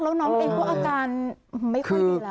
แล้วน้องเองก็อาการไม่ค่อยดีแล้ว